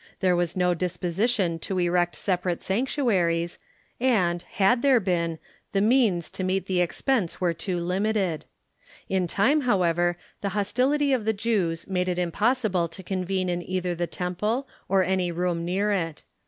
There was no disposition to erect separate sanctuaries, and, had Simphcity of ^|^gj.g been, the means to meet the expense were too Forms '•!• r i t limited. In time, however, the hostility of the Jews made it impossible to convene in either the temple or any room near it.